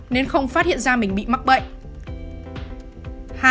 nên không phát hiện ra mình bị mắc bệnh